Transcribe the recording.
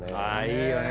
いいよね。